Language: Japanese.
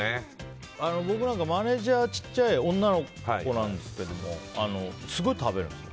僕、マネジャーが小さい女の子なんですけどすごい食べるんですよ。